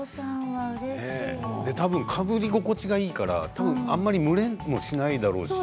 たぶんかぶり心地がいいから、あまり蒸れもしないだろうし。